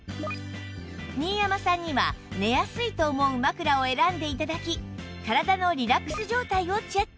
新山さんには寝やすいと思う枕を選んで頂き体のリラックス状態をチェック